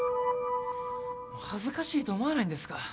恥ずかしいと思わないんですか？